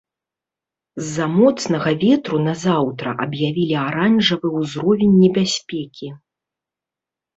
З-за моцнага ветру на заўтра аб'явілі аранжавы ўзровень небяспекі.